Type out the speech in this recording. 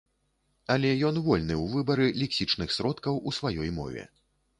Але ён вольны ў выбары лексічных сродкаў у сваёй мове.